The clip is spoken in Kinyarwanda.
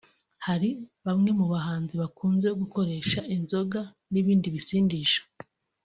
Hari bamwe mu bahanzi bakunze gukoresha inzoga n’ibindi bisindisha